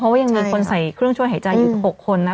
เพราะว่ายังมีคนใส่เครื่องช่วยหายใจอยู่๖คนนะ